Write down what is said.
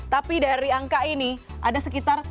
tapi dari angka ini ada sekitar tujuh ratus tujuh puluh